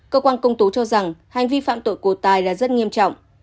cơ quan công tố cho rằng hành vi phạm tội của tài là rất nghiêm trọng